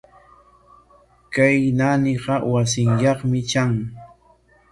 Kay naaniqa wasinyaqmi tran.